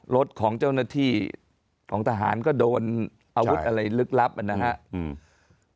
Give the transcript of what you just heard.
รถของเจ้าหน้าที่ของทหารก็โดนอาวุธอะไรลึกลับนะครับ